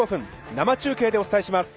生中継でお伝えします。